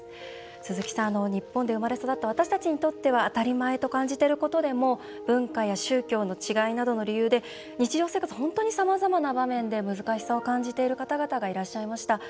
鈴木さん、日本で生まれ育った私たちにとっては当たり前と感じていることでも文化や宗教の違いなどの理由で日常生活、さまざまな場面で難しさを感じている方々がいらっしゃいました。